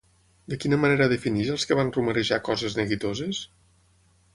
De quina manera defineix als que van rumorejar coses neguitoses?